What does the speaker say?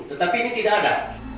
tetapi ini tidak ada